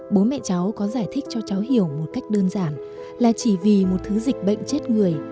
bố mẹ cháu có giải thích cho cháu hiểu một cách đơn giản là chỉ vì một thứ dịch bệnh chết người